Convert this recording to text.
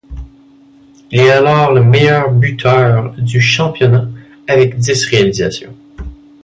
Il est alors le meilleur buteur du championnat avec dix réalisations.